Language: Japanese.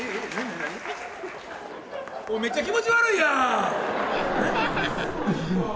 めっちゃ気持ち悪いやん。